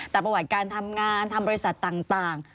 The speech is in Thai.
แต่ประวัติการทำงานทำบริษัทต่าง